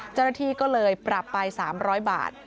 เจ้าหน้าที่ก็เลยปรับไป๓๐๐บาท